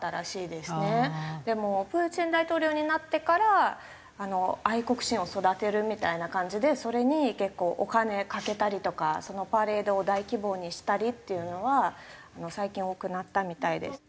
でもプーチン大統領になってから愛国心を育てるみたいな感じでそれに結構お金かけたりとかそのパレードを大規模にしたりっていうのは最近多くなったみたいです。